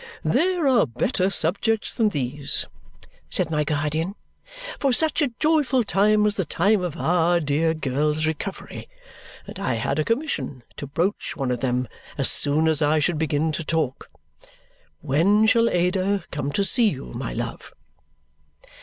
"There are better subjects than these," said my guardian, "for such a joyful time as the time of our dear girl's recovery. And I had a commission to broach one of them as soon as I should begin to talk. When shall Ada come to see you, my love?"